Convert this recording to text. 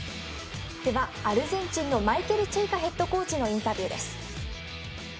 ではアルゼンチンのマイケル・チェイカヘッドコーチのインタビューです。